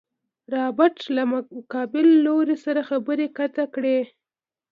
رابرټ له مقابل لوري سره خبرې قطع کړې.